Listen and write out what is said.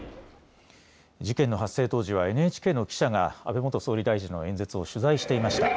事件の発生当時はＮＨＫの記者が安倍元総理大臣の演説を取材していました。